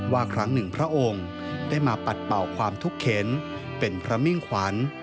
ครั้งหนึ่งพระองค์ได้มาปัดเป่าความทุกข์เข็นเป็นพระมิ่งขวัญ